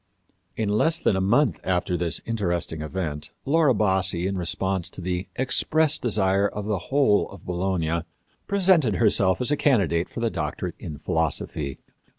In less than a month after this interesting event Laura Bassi, in response to the expressed desire of the whole of Bologna, presented herself as a candidate for the doctorate in philosophy.